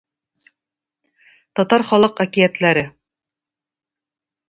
Татар халык әкиятләре